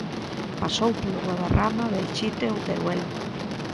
Pasou polo Guadarrama, Belchite ou Teruel.